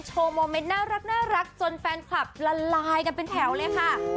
โมเมนต์น่ารักจนแฟนคลับละลายกันเป็นแถวเลยค่ะ